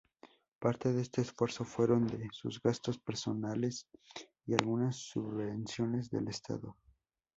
Parte de este esfuerzo fueron de sus gastos personales y algunas subvenciones del estado.